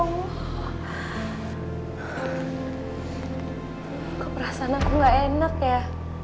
aku perasan aku gak enak ya